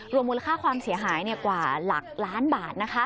มูลค่าความเสียหายกว่าหลักล้านบาท